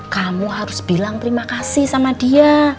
kamu harus bilang terima kasih sama dia